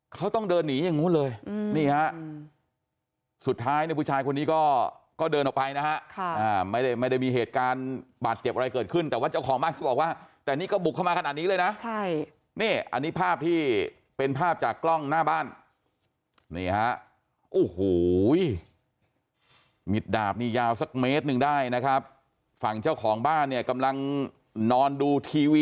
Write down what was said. เขาต้องเดินหนีอย่างนู้นเลยนี่ฮะสุดท้ายเนี่ยผู้ชายคนนี้ก็เดินออกไปนะฮะไม่ได้ไม่ได้มีเหตุการณ์บาดเจ็บอะไรเกิดขึ้นแต่ว่าเจ้าของบ้านเขาบอกว่าแต่นี่ก็บุกเข้ามาขนาดนี้เลยนะใช่นี่อันนี้ภาพที่เป็นภาพจากกล้องหน้าบ้านนี่ฮะโอ้โหมิดดาบนี่ยาวสักเมตรหนึ่งได้นะครับฝั่งเจ้าของบ้านเนี่ยกำลังนอนดูทีวี